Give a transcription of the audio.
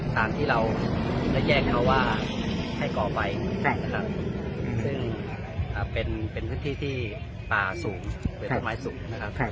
แสดงนะครับซึ่งเป็นพื้นที่ที่ป่าสูงเวลาไม้สูงนะครับ